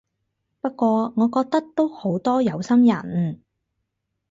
不過我覺得都好多有心人